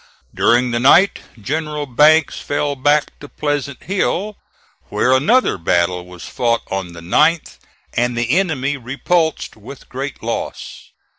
During the night, General Banks fell back to Pleasant Hill, where another battle was fought on the 9th, and the enemy repulsed with great loss.